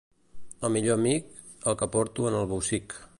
El millor amic, el que porto en el bossic.